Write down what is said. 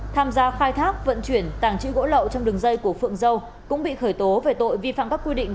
tham gia khai thác vận chuyển tàng trữ gỗ lậu trong đường dây của phượng dâu cũng bị khởi tố về tội vi phạm các quy định